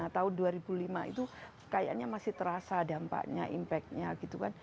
tahun dua ribu lima itu kayaknya masih terasa dampaknya impact nya gitu kan